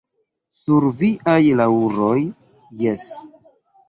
Sur viaj laŭroj, jes!